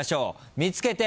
見つけて！